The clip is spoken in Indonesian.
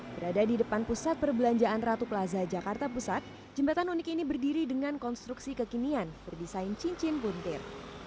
berada di depan pusat perbelanjaan ratu plaza jakarta pusat jembatan unik ini berdiri dengan konstruksi kekinian berdesain cincin puntir